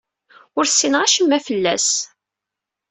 Ur ssineɣ acemma fell-as.